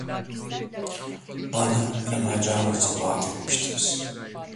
Bana inanacağınızı vaadetmiştiniz…